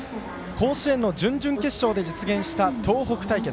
甲子園の準々決勝で実現した東北対決。